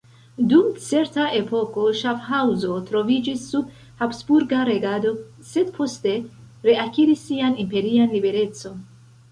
Dum certa epoko Ŝafhaŭzo troviĝis sub habsburga regado sed poste reakiris sian imperian liberecon.